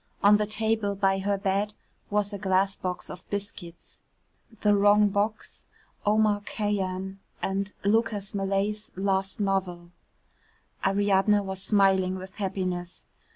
On the table by her bed was a glass box of biscuits, "The Wrong Box," "Omar Khayyam" and Lucas Malet's last novel. Ariadne was smiling with happiness.